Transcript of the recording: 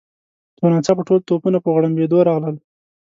یو ناڅاپه ټول توپونه په غړمبېدو راغلل.